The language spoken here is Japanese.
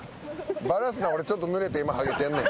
バラすな俺ちょっとぬれて今ハゲてんねん。